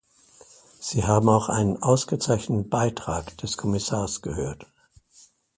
Sie haben auch einen ausgezeichneten Beitrag des Kommissars gehört.